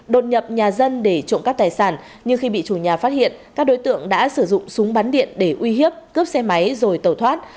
đột nhập nhà dân để trộm cắp tài sản nhưng khi bị chủ nhà phát hiện các đối tượng đã sử dụng súng bắn điện để uy hiếp cướp xe máy rồi tẩu thoát